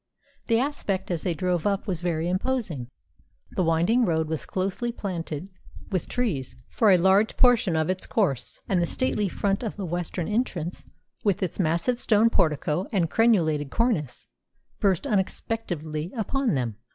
The aspect as they drove up was very imposing. The winding road was closely planted with trees for a large portion of its course, and the stately front of the western entrance, with its massive stone portico and crenulated cornice, burst unexpectedly upon them.